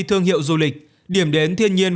thương hiệu du lịch điểm đến thiên nhiên